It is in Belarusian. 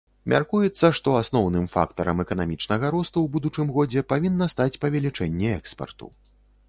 Мяркуецца, што асноўным фактарам эканамічнага росту ў будучым годзе павінна стаць павелічэнне экспарту.